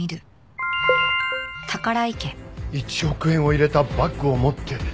「１億円を入れたバッグを持って」。